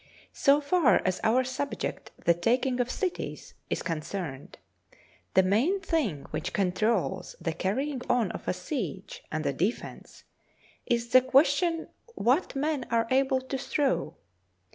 So far as our subject, " The Taking of Cities," is concerned, the main thing which controls the carrying on of a siege and the defence is the ques tion what men are able to throw.